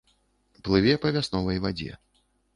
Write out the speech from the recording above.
Плыве па вясновай вадзе.